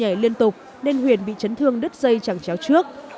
nhảy liên tục nên huyền bị chấn thương đứt dây chẳng chéo trước